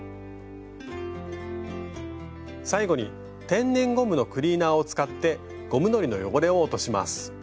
最後に天然ゴムのクリーナーを使ってゴムのりの汚れを落とします。